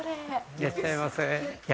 いらっしゃいませ。